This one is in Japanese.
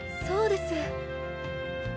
そうです。